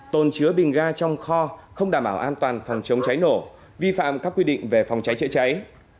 tồn chứa bình ga trong kho không đảm bảo an toàn phòng chống cháy nổ vi phạm các quy định về phòng cháy chữa cháy